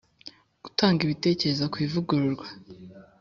Gutanga ibitekerezo ku ivugururwa